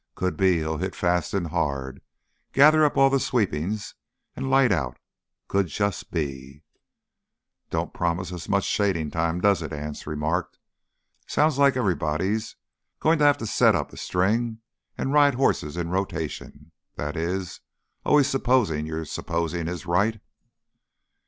Could be he'll hit fast an' hard, gather up all th' sweepin's an' light out. Could jus' be...." "Don't promise us much shadin' times, does it?" Anse remarked. "Sounds like everybody's goin' to have to set up a string an' ride hosses in rotation. That is, always supposin' your supposin' is right."